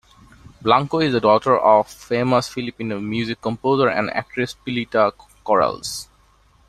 Blanco is the daughter of famous Filipino Music composer and actress Pilita Corrales.